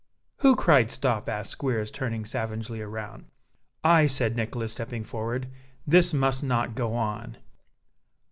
"Who cried stop?" asked Squeers, turning savagely round. "I," said Nicholas, stepping forward. "This must not go on."